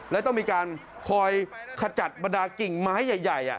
และต้องมีการคอยขจัดบรรดากิ่งไม้ใหญ่